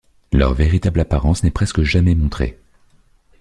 Leur véritable apparence n'est presque jamais montrée.